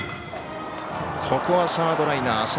ここはサードライナー。